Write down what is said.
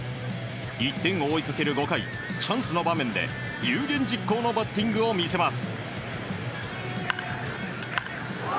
１点を追いかける５回チャンスの場面で有言実行のバッティングを見せます。